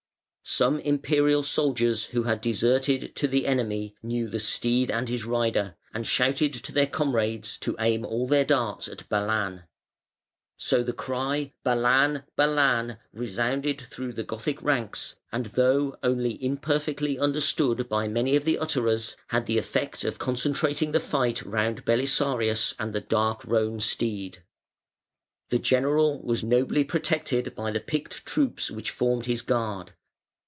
Some Imperial soldiers who had deserted to the enemy knew the steed and his rider, and shouted to their comrades to aim all their darts at Balan. So the cry "Balan! Balan!" resounded through the Gothic ranks, and though only imperfectly understood by many of the utterers, had the effect of concentrating the fight round Belisarius and the dark roan steed. The general was nobly protected by the picked troops which formed his guard.